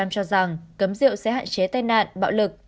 chín mươi chín cho rằng cấm rượu sẽ hạn chế tai nạn bạo lực